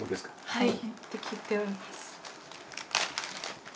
はい。